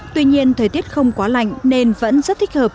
tuy nhiên thời tiết không quá lạnh nên vẫn rất thích hợp